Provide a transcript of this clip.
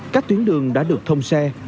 các tuyến đường đã được thông xe